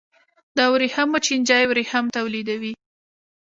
د ورېښمو چینجی ورېښم تولیدوي